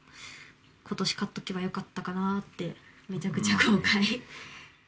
ことし買っておけばよかったかなぁって、めちゃくちゃ後悔。